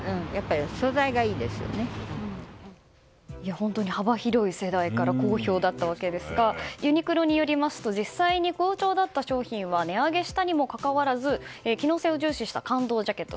本当に幅広い世代から好評だったわけですがユニクロによりますと実際に好調だった商品は値上げしたにもかかわらず機能性を重視した感動ジャケット。